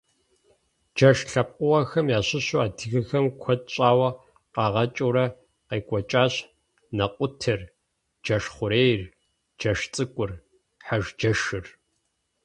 Джэш лъэпкъыгъуэхэм ящыщу адыгэхэм куэд щӀауэ къагъэкӀыурэ къекӀуэкӀащ нэкъутыр, джэшхъурейр, джэшцӀыкӀур, хьэжджэшыр.